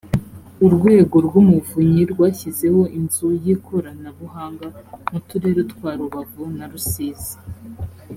urwego rw’umuvunyi rwashyizeho inzu y’ikoranabuhanga mu turere twa rubavu na rusizi